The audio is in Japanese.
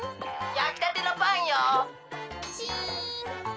やきたてのパンよ。